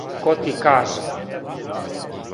Ко ти каже?